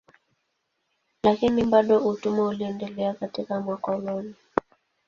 Lakini bado utumwa uliendelea katika makoloni.